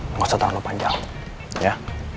nggak usah terlalu panjang ya